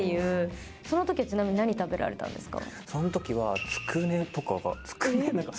その時は、ちなみに何を食べられたんですか？